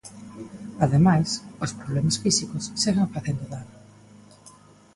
Ademais, os problemas físicos seguen facendo dano.